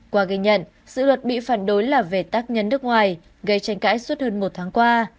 qua ghi nhận sự luật bị phản đối là về tác nhân nước ngoài gây tranh cãi suốt hơn một tháng qua